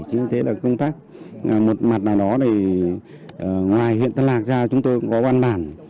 chính vì thế là công tác một mặt nào đó thì ngoài huyện tân lạc ra chúng tôi cũng có văn bản